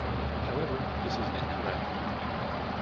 However, this is incorrect.